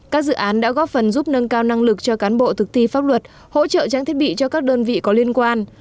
các dự án đã góp phần giúp nâng cao năng lực cho cán bộ thực thi pháp luật hỗ trợ trang thiết bị cho các đơn vị có liên quan